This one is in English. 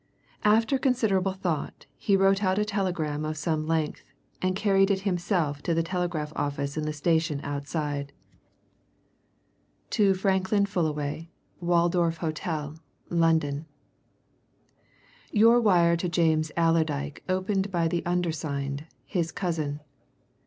After considerable thought he wrote out a telegram of some length, and carried it himself to the telegraph office in the station outside: "To Franklin Fullaway, Waldorf Hotel, London. "Your wire to James Allerdyke opened by undersigned, his cousin.